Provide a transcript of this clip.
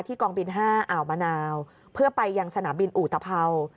กองบิน๕อ่าวมะนาวเพื่อไปยังสนามบินอุตภัวร์